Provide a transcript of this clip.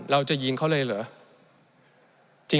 เราจะยิงเขาเลยเหรอ